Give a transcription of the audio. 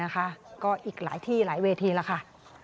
ก็อีกหลายที่หลายเวทีแล้วค่ะ